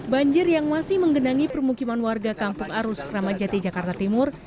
banjir yang masih menggenangi permukiman warga kampung arus kramajati jakarta timur